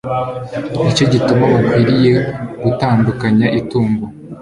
ni cyo gituma mukwiriye gutandukanya itungo